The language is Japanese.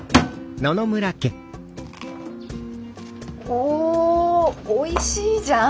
おおいしいじゃん？